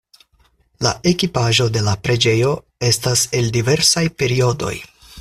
La ekipaĵo de la preĝejo estas el diversaj periodoj.